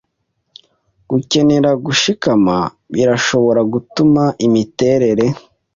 Gukenera gushikama birashobora gutuma imiterere